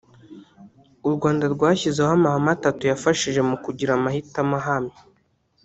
u Rwanda rwashyizeho amahame atatu yafashije mu kugira amahitamo ahamye